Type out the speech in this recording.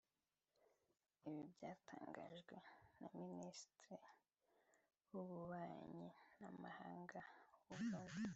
Ibi byatangajwe na Minisitiri w’ububanyi n’amahanga w’u Burundi